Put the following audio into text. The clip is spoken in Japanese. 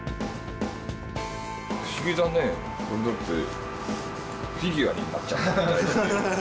不思議だねこれだってフィギュアになっちゃった。